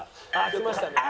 「きましたね」。